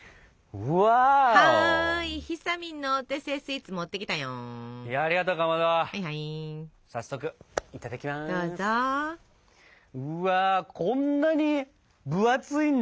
うわこんなに分厚いんだ！